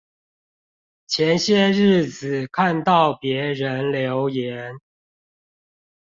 前些日子看到別人留言